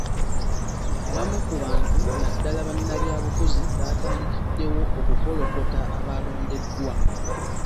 Abamu ku bantu naddala bannabyabufuzi baatandikiddewo okukolokota abaalondeddwa.